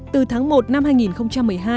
từ tháng một năm hai nghìn một mươi hai